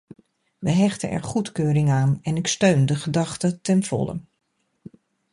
We hechten er goedkeuring aan en ik steun de gedachte ten volle.